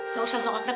nggak usah sokak sokak